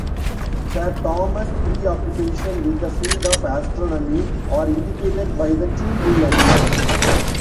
Sir Thomas' preoccupation with the field of astronomy are indicated by the two mullets.